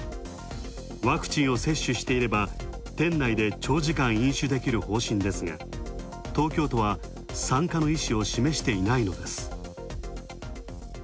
ワクチンを接種していれば店内で長時間飲酒できる方針ですが、東京とは参加の意思を示していないのです。